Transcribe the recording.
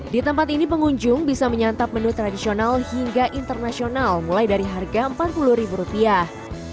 di tempat ini pengunjung bisa menyantap menu tradisional hingga internasional mulai dari harga empat puluh ribu rupiah